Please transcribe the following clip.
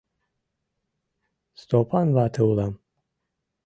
Стопан вате улам.